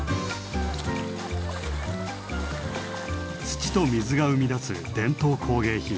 土と水が生み出す伝統工芸品。